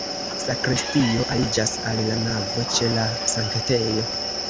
Sakristio aliĝas al la navo ĉe la sanktejo.